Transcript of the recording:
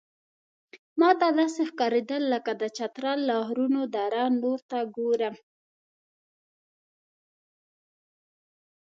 ماته داسې ښکارېدل لکه د چترال له غرونو دره نور ته ګورم.